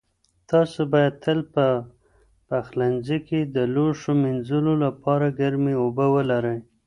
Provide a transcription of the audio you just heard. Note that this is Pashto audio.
تاسو باید تل په پخلنځي کې د لوښو مینځلو لپاره ګرمې اوبه ولرئ.